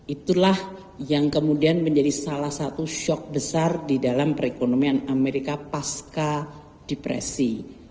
itulah yang kemudian menjadi salah satu shock besar di dalam perekonomian amerika pasca depresi